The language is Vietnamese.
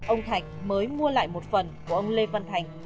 ông thạch mới mua lại một phần của ông lê văn thành